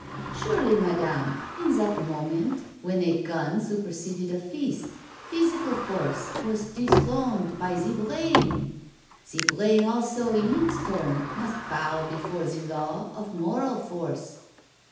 Surely, Madame, in that moment when a gun superseded a fist, physical force was dethroned by the brain? The brain also in its turn must bow before the law of moral force.